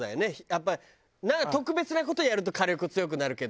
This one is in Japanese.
やっぱりなんか特別な事やると火力強くなるけど。